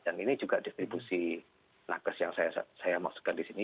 dan ini juga distribusi nakas yang saya masukkan di sini